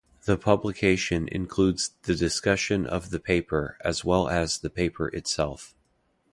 The publication includes the discussion of the paper as well as the paper itself.